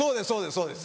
そうです